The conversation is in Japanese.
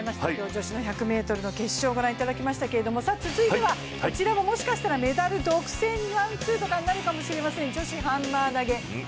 女子の１００ｍ決勝を見ていただきましたが続いては、こちらももしかしたらメダル１・２になるかもしれません、女子ハンマー投。